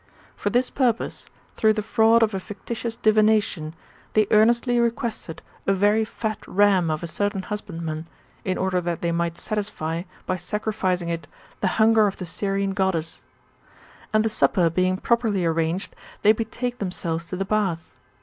For this purpose, through the fraud of a fictitious divination, they earnestly requested a very fat ram of a certain husbandman, in order that they might satisfy, by sacrificing it, the hunger of the Syrian Goddess ; and the supper being properly arranged, they betake themselves to the bath.